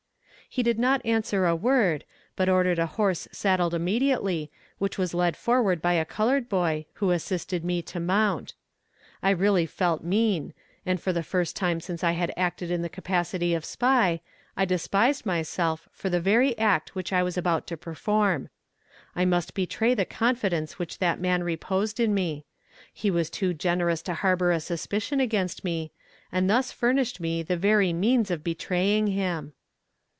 He did not answer a word, but ordered a horse saddled immediately, which was led forward by a colored boy, who assisted me to mount. I really felt mean, and for the first time since I had acted in the capacity of spy, I despised myself for the very act which I was about to perform. I must betray the confidence which that man reposed in me. He was too generous to harbor a suspicion against me, and thus furnished me the very means of betraying him.